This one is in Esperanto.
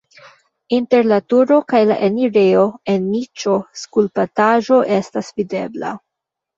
Inter la turo kaj la enirejo en niĉo skulptaĵo estas videbla.